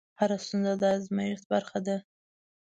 هره ستونزه د ازمېښت برخه ده.